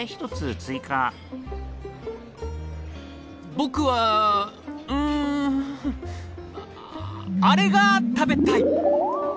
僕はんアレが食べたい。